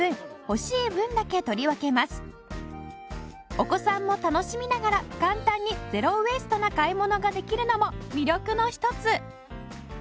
お子さんも楽しみながら簡単にゼロウェイストな買い物ができるのも魅力の一つ